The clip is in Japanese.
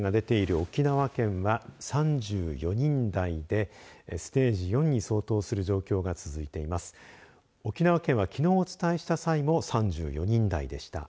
沖縄県は、きのうお伝えした際も３４人台でした。